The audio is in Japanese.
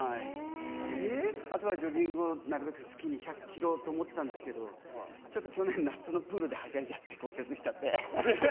あとは、ジョギングをなるべく月に１００ｋｍと思っていたんですけどちょっと去年、夏のプールではしゃいじゃって骨折しちゃって。